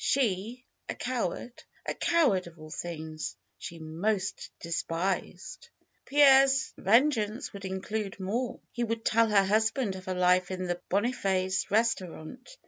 She, a coward! A coward, of all things, she most despised. Pierre's vengeance would include more. He would tell her husband of her life in the Boniface restaurant.